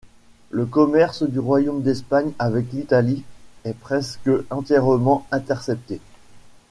Le commerce du royaume d'Espagne avec l'Italie est presque entièrement intercepté.